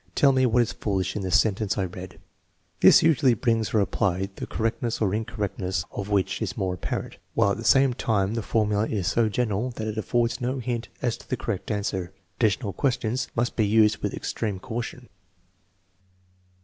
Tell me what is foolish in the sentence I read.' 9 This usually brings a reply the correctness or incorrectness of which is more apparent, while at the same time the for mula is so general that it affords no hint as to the correct answer. Additional questions must be used with extreme caution.